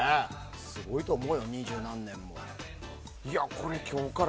すごいと思うよ、二十何年も。